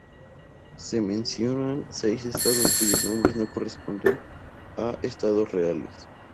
Se mencionan seis estados cuyos nombres no corresponden a estados reales.